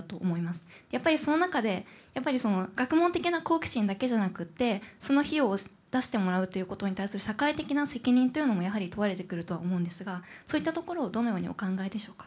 やっぱりその中で学問的な好奇心だけじゃなくてその費用を出してもらうということに対する社会的な責任というのもやはり問われてくるとは思うんですがそういったところをどのようにお考えでしょうか？